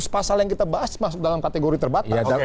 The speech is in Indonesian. pasal yang kita bahas masuk dalam kategori terbatas